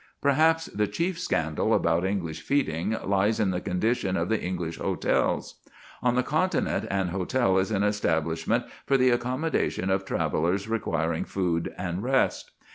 Perhaps the chief scandal about English feeding lies in the condition of the English hotels. On the Continent an hotel is an establishment for the accommodation of travellers requiring food and rest.